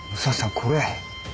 これ。